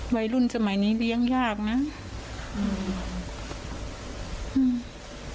วัยรุ่นสมัยนี้เลี้ยงยากนะอืม